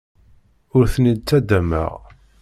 Ur ten-id-ttaddameɣ.